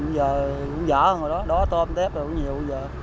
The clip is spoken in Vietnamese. giờ cũng giỡn hơn hồi đó đó tôm tép cũng nhiều